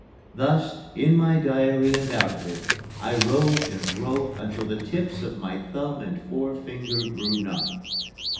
Thus, in my diary and out of it, I wrote and wrote until the tips of my thumb and forefinger grew numb.